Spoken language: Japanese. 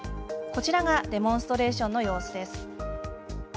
こちらがデモンストレーションの様子です。